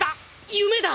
夢だ！